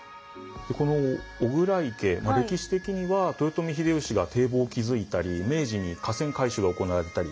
この巨椋池歴史的には豊臣秀吉が堤防を築いたり明治に河川改修が行われたり。